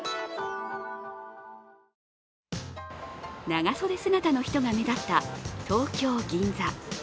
長袖姿の人が目立った東京・銀座。